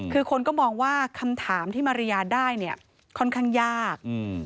คือคนก็มองว่าคำถามที่มาริยาได้เนี่ยค่อนข้างยาก